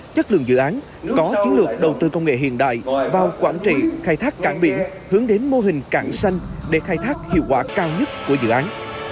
chất lượng dự án có chiến lược đầu tư công nghệ hiện đại vào quản trị khai thác cảng biển hướng đến mô hình cảng xanh để khai thác hiệu quả cao nhất của dự án